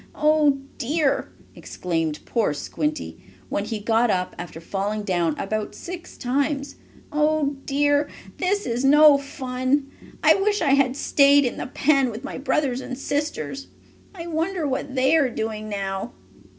"Oh dear!" exclaimed poor Squinty, when he got up after falling down about six times, "Oh dear! This is no fun. I wish I had stayed in the pen with my brothers and sisters. I wonder what they are doing now?"